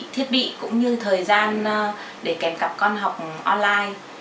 thiết bị cũng như thời gian để kèm cặp con học online